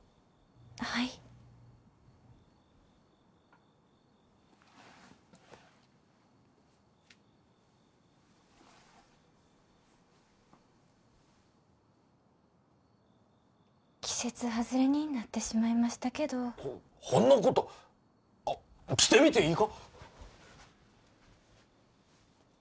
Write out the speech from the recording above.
はい季節外れになってしまいましたけどほんなこと着てみていいか？